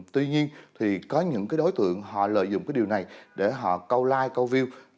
tuy nhiên thì có những cái đối tượng họ lợi dụng cái điều này để họ câu like câu view